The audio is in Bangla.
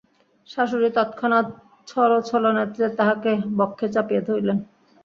শাশুড়ী তৎক্ষণাৎ ছলছলনেত্রে তাহাকে বক্ষে চাপিয়া ধরিলেন।